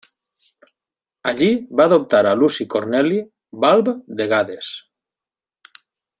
Allí va adoptar a Luci Corneli Balb de Gades.